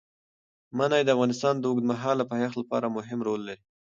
منی د افغانستان د اوږدمهاله پایښت لپاره مهم رول لري.